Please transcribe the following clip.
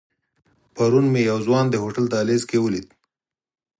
پرون مې یو ځوان د هوټل دهلیز کې ولید.